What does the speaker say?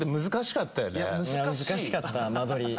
難しかった間取り。